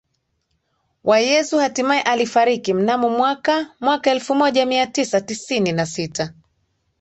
wa yesu Hatimae alifariki mnamo mwaka mwaka elfumoja miatisa tisini na sita